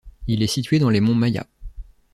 Il est situé dans les monts Maya.